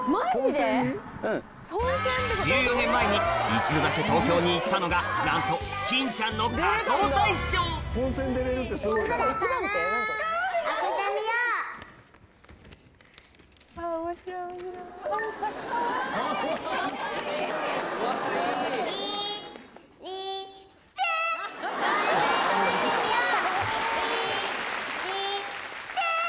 １４年前に一度だけ東京に行ったのがなんと『欽ちゃんの仮装大賞』いちにさん！